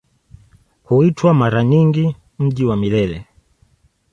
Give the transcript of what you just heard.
Huitwa mara nyingi "Mji wa Milele".